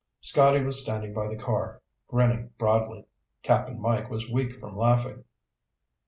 Scotty was standing by the car, grinning broadly. Cap'n Mike was weak from laughing.